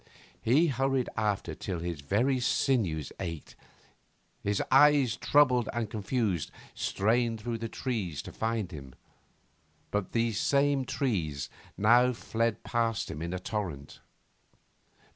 He hurried after till his very sinews ached. His eyes, troubled and confused, strained through the trees to find him. But these same trees now fled past him in a torrent.